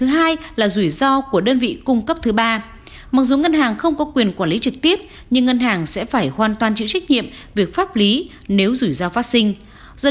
là làm sao tất cả những công đoạn như vậy như hồi nãy chị claire ai chat gọi